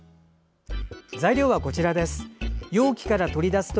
材料はこちらです。